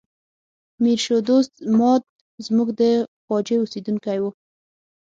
میر شو دوست ماد زموږ د ده خواجې اوسیدونکی و.